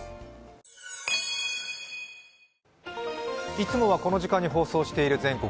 いつもはこの時間に放送している「全国！